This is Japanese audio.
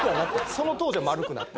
その当時は丸くなってましたね。